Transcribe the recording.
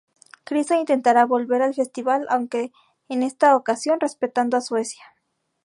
Krista intentará volver al festival, aunque en esta ocasión representando a Suecia.